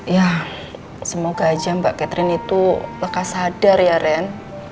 ya semoga aja mbak catherine itu lekas sadar ya ren